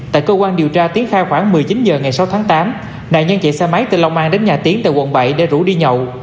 tại cơ quan điều tra tiến khai khoảng một mươi chín h ngày sáu tháng tám nạn nhân chạy xe máy từ long an đến nhà tiến tại quận bảy để rủ đi nhậu